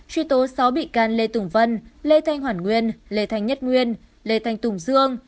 truy tố sáu bị can lê tùng vân lê thanh hoàn nguyên lê thanh nhất nguyên lê thanh tùng dương